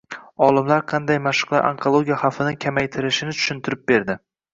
Olimlar qanday mashqlar onkologiya xavfini kamaytirishini tushuntirib berdi